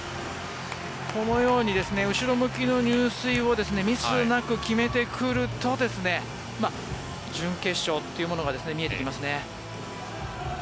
このように後ろ向きの入水をミスなくできると準決勝というのが見えてきますね。